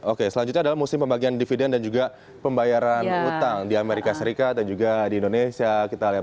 oke selanjutnya adalah musim pembagian dividen dan juga pembayaran utang di amerika serikat dan juga di indonesia kita lihat